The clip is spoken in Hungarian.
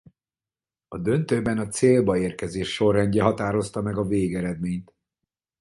A döntőben a célba érkezés sorrendje határozta meg a végeredményt.